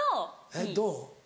えっどう？